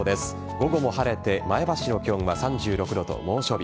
午後も晴れて前橋の気温は３６度と猛暑日。